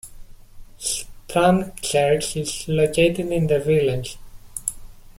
Strand Church is located in the village.